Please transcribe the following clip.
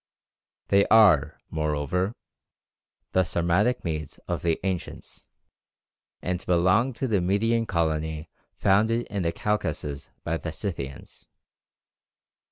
They are, moreover, the Sarmatic Medes of the ancients, and belong to the Median colony founded in the Caucasus by the Scythians.